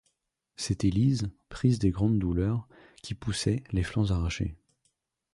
C’était Lise, prise des grandes douleurs, qui poussait, les flancs arrachés.